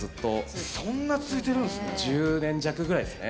そんな続いてるんすね。